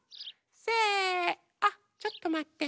せあっちょっとまって。